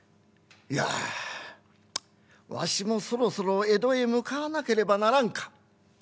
「いやわしもそろそろ江戸へ向かわなければならんか」。